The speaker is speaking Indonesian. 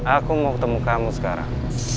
aku mau ketemu kamu sekarang